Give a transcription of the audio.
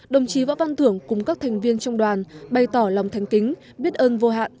đồng chí võ văn thưởng cùng các thành viên trong đoàn bày tỏ lòng thanh kính biết ơn vô hạn